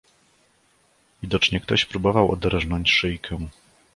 "Widocznie ktoś próbował oderznąć szyjkę."